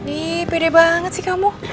ini pede banget sih kamu